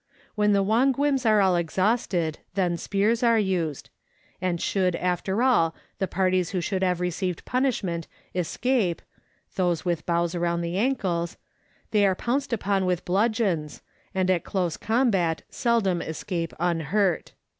When the Avonguims are all exhausted, then spears are used ; and should, 96 Letters from Victorian Pioneers. after all, the parties who should have received punishment escape (those with boughs around the ankles), they are pounced upon with bludgeons, and at close combat seldom escape unhurt.